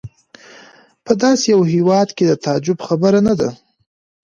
په داسې یو هېواد کې د تعجب خبره نه ده.